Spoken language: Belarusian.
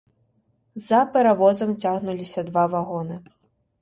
За паравозам цягнуліся два вагоны.